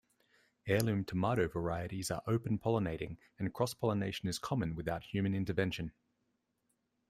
Heirloom tomato varieties are "open pollinating", and cross-pollination is common without human intervention.